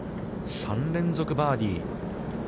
３連続バーディー。